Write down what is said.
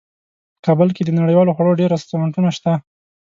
په کابل کې د نړیوالو خوړو ډیر رستورانتونه شته